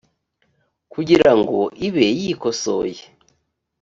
kugira ngo ibe yikosoye